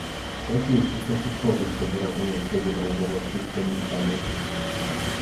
Jaki jest w istocie powód do wyrażenia zgody na umowę z Turkmenistanem?